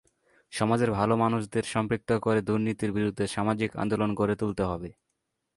সমাজের ভালো মানুষদের সম্পৃক্ত করে দুর্নীতির বিরুদ্ধে সামাজিক আন্দোলন গড়ে তুলতে হবে।